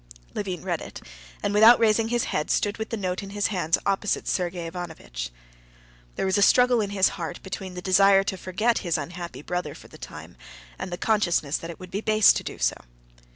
Levin read it, and without raising his head stood with the note in his hands opposite Sergey Ivanovitch. There was a struggle in his heart between the desire to forget his unhappy brother for the time, and the consciousness that it would be base to do so.